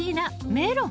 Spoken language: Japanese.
メロン！